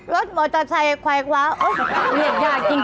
รถมอเตอร์ชัยควายคว้า